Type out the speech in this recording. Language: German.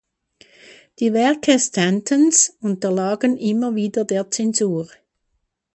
Die Werke Stantons unterlagen immer wieder der Zensur.